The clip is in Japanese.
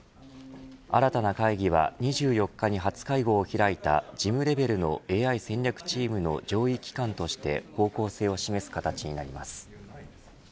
新たな会議は２４日に初会合を開いた事務レベルのＡＩ戦略チームの上位機関として方向性を示す形になります。